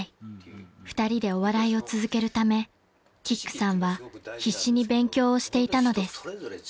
［２人でお笑いを続けるためキックさんは必死に勉強をしていたのです］